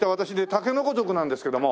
竹の子族なんですけども。